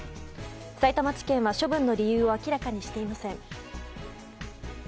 さいたま地検は処分の理由を明らかにしていません。